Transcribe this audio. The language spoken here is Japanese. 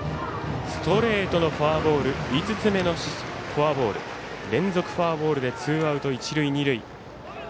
ストレートのフォアボール５つ目のフォアボール連続フォアボールでツーアウト、一塁二塁。